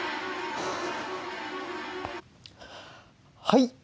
はい。